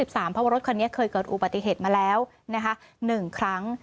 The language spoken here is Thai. เพราะว่ารถคันนี้เคยเกิดอุบัติเหตุมาแล้ว๑ครั้ง